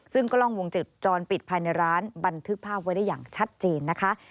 ซึ่งกล้องวงจรปิดภายในร้านบันทึกภาพไว้ได้อย่างชัดเจนนะคะ